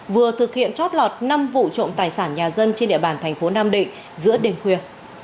vừa thực hiện chót lọt năm vụ trộm tài sản nhà dân trên địa bàn thành phố nam định giữa đêm khuya